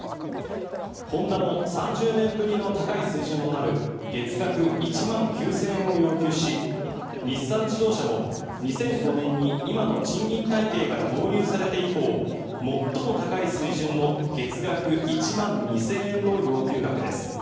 ホンダも３０年ぶりの高い水準となる月額１万９０００円を要求し日産自動車も２００５年に今の賃金体系が導入されて以降最も高い水準の月額１万２０００円の要求額です。